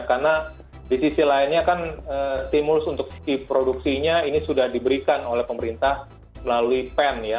karena di sisi lainnya kan stimulus untuk produksinya ini sudah diberikan oleh pemerintah melalui pen ya